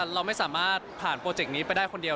เราไม่สามารถผ่านโปรเจกต์นี้ไปได้คนเดียว